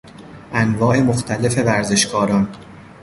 انواع مختلف ورزشکاران